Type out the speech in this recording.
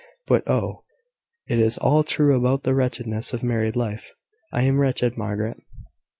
But, oh! it is all true about the wretchedness of married life! I am wretched, Margaret."